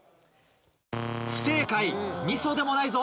不正解「みそ」でもないぞ。